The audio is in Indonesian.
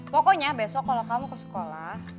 pokoknya besok kalau kamu ke sekolah